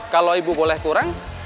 kalau ibu boleh kurang